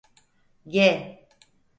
G